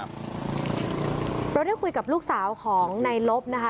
เราได้คุยกับลูกสาวของในลบนะคะ